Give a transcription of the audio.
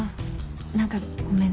何かごめんね。